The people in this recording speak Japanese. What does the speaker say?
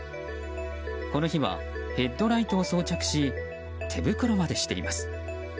この日はヘッドライトを装着し手袋までしています。